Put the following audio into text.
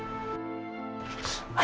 aku janji akan melindungi kamu